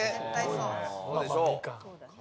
そうでしょう。